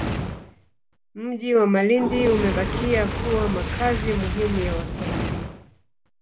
Mji wa Malindi Umebakia kuwa makazi muhimu ya Waswahili